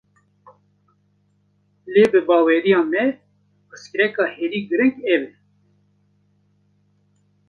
Lê bi baweriya me, pirsgirêka herî girîng ew e